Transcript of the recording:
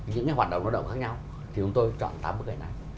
những hoạt động lao động khác nhau thì chúng tôi chọn tám bức ảnh này